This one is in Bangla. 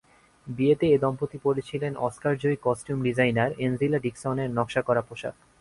বিয়েতে এ দম্পতি পরেছিলেন অস্কারজয়ী কস্টিউম ডিজাইনার এনজিলা ডিকসনের নকশা করা পোশাক।